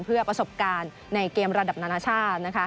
เพื่อประสบการณ์ในเกมระดับนานาชาติ